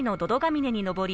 峰に登り